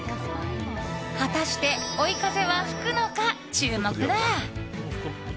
果たして、追い風は吹くのか注目だ。